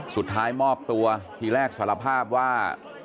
สุดท้ายมอบตัวทีแรกสารภาพว่า